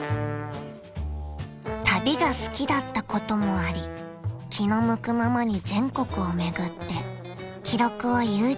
［旅が好きだったこともあり気の向くままに全国を巡って記録をＹｏｕＴｕｂｅにアップしています］